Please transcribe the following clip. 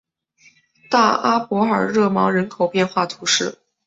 大阿伯尔热芒人口变化图示